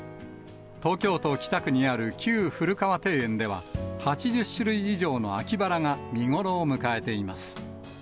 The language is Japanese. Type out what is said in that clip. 東京都北区にある旧古河庭園では、８０種類以上の秋バラが見頃を迎えています。